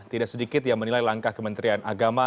tidak sedikit yang menilai langkah kementerian agama